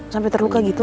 sampai terhuka gitu